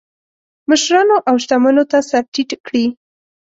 مشرانو او شتمنو ته سر ټیټ کړي.